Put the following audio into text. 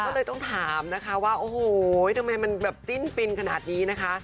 ก็เลยต้องถามนะคะว่าโอ้โหทำไมมันแบบจิ้นฟินขนาดนี้นะคะ